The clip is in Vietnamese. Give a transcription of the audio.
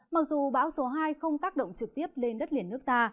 mặc dù bão số hai không tác động trực tiếp lên đất liền nước ta